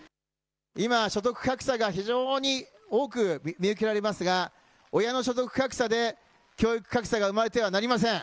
今、所得格差が非常に多く見受けられますが、親の所得格差で教育格差が生まれてはなりません。